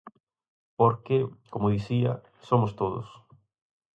Porque, como dicía, somos todos.